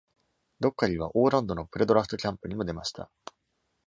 ドッカリーは、オーランドのプレドラフトキャンプにも出ました。